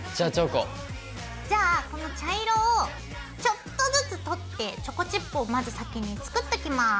じゃあこの茶色をちょっとずつ取ってチョコチップをまず先に作っときます。